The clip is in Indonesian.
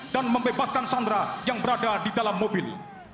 dan membebaskan sandera yang berada di dalam mobil